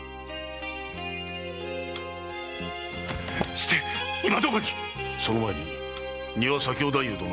して今どこに⁉その前に丹羽左京太夫殿の命が危ない。